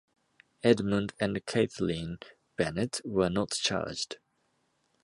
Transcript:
Edmund and Kathleen Bennett were not charged.